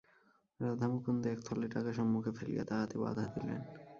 রাধামুকুন্দ এক থলে টাকা সম্মুখে ফেলিয়া তাহাতে বাধা দিলেন।